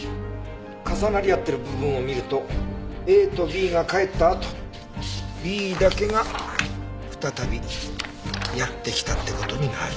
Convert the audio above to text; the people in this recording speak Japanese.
重なり合ってる部分を見るとＡとＢが帰ったあとＢだけが再びやって来たって事になる。